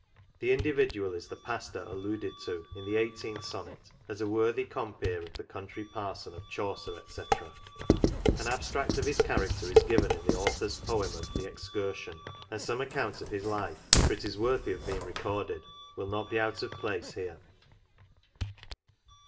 This individual is the Pastor alluded to, in the eighteenth Sonnet, as a worthy compeer of the Country Parson of Chaucer, &c. An abstract of his character is given in the 48 NOTES. author's poem of The Excursion *; and some account of his life, for it is worthy of being recorded, will not be out of place here.